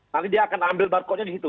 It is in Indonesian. nanti dia akan ambil barcode nya di situ